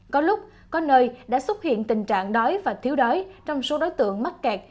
có lúc có nơi đã xuất hiện tình trạng đói và thiếu đói trong số đối tượng mắc kẹt